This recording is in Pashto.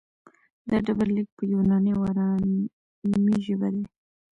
دا ډبرلیک په یوناني او ارامي ژبه دی